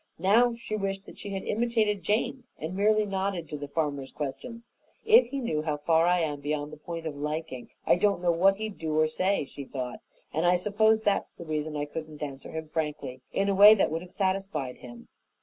Now she wished that she had imitated Jane, and merely nodded to the farmer's questions. "If he knew how far I am beyond the point of liking, I don't know what he'd do or say," she thought, "and I suppose that's the reason I couldn't answer him frankly, in a way that would have satisfied him.